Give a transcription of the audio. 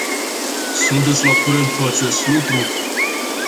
Sunteți la curent cu acest lucru?